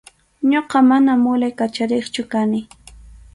Ñuqa mana mulay kachariqchu kani.